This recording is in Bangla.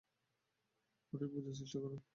মার্টিন, বোঝার চেষ্টা কর।